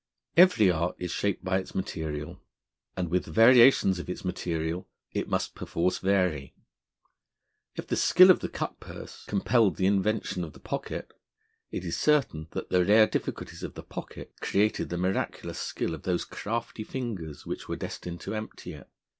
Every art is shaped by its material, and with the variations of its material it must perforce vary. If the skill of the cutpurse compelled the invention of the pocket, it is certain that the rare difficulties of the pocket created the miraculous skill of those crafty fingers which were destined to empty it.